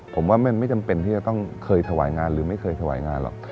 ผมว่ามันไม่จำเป็นที่จะต้องเคยถวายงานหรือไม่เคยถวายงานหรอก